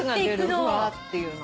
フワっていうの。